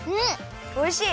おいしい！